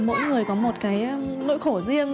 mỗi người có một cái nỗi khổ riêng